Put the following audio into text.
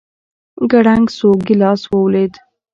کړنگ سو گيلاس ولوېد.